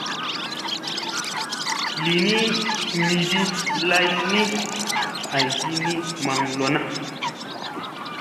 Li ni miɗi lay ni aygi ni maŋ lona.